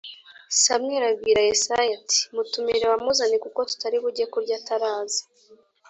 Samweli abwira Yesayi ati “Mutumire bamuzane, kuko tutari bujye kurya ataraza.”